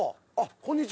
こんにちは。